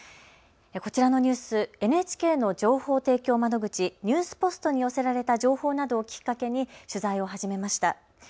こちらのニュース、ＮＨＫの情報提供窓口、ニュースポストに寄せられた情報などをきっかけに取材を始めました。